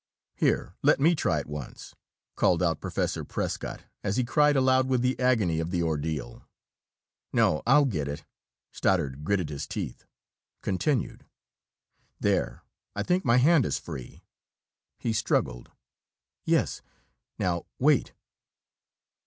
"Here, let me try it once!" called out Professor Prescott, as he cried aloud with the agony of the ordeal. "No. I'll get it!" Stoddard gritted his teeth, continued. "There! I think my hand is free!" He struggled. "Yes. Now wait!"